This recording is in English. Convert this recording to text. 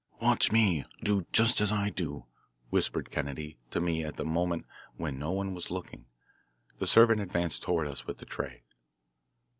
"Watch me; do just as I do," whispered Kennedy to me at a moment when no one was looking. The servant advanced towards us with the tray.